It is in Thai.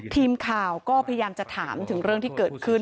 ทีมข่าวก็พยายามจะถามถึงเรื่องที่เกิดขึ้น